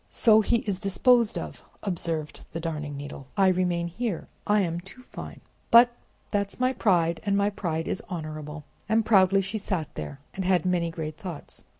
"So he is disposed of," observed the Darning Needle. "I remain here, I am too fine. But that's my pride, and my pride is honorable." And proudly she sat there, and had many great thoughts.